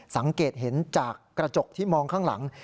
สังเกตเห็นจากกระจกที่มองข้างหลัง